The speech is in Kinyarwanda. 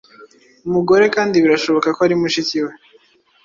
Umugore kandi birashoboka ko ari mushiki we